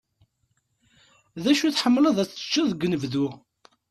D acu i tḥemmleḍ ad t-teččeḍ deg unebdu?